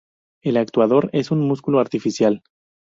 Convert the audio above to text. El actuador es un músculo artificial.